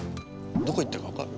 どこ行ったか分かる？